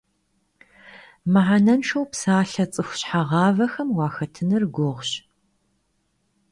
Mıhenenşşeu psalhe ts'ıxu şheğavexem vuaxetınır guğuş.